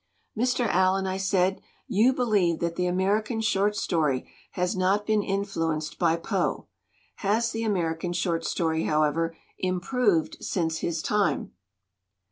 "Mr. Allen," I said, "you believe that the American short story has not been influenced by Poe; has the American short story, however, im proved since his time?"